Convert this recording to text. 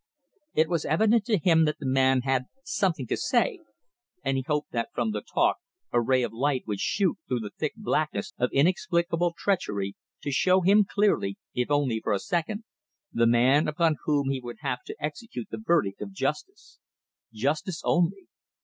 It was evident to him that the man had something to say, and he hoped that from the talk a ray of light would shoot through the thick blackness of inexplicable treachery, to show him clearly if only for a second the man upon whom he would have to execute the verdict of justice. Justice only!